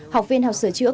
học viên học sửa chữa